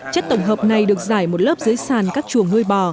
chất tổng hợp này được giải một lớp dưới sàn các chuồng nuôi bò